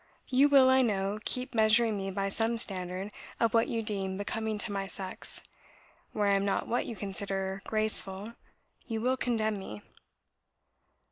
You will, I know, keep measuring me by some standard of what you deem becoming to my sex; where I am not what you consider graceful, you will condemn me.